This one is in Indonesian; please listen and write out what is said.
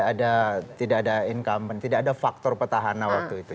ada tidak ada incumbent tidak ada faktor petahana waktu itu